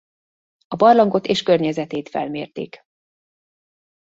A barlangot és környezetét felmérték.